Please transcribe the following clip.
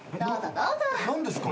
何ですか？